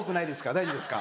大丈夫ですか？